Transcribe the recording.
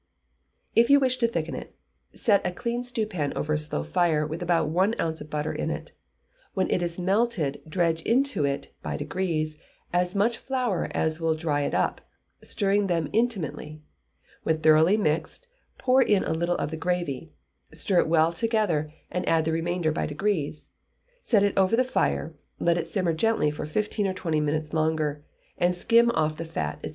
If you wish to thicken it, set a clean stewpan over a slow fire, with about an ounce of butter in it; when it is melted, dredge into it (by degrees) as much flour as will dry it up, stirring them intimately; when thoroughly mixed, pour in a little of the gravy, stir it well together, and add the remainder by degrees; set it over the fire, let it simmer gently for fifteen or twenty minutes longer, and skim off the fat, &c.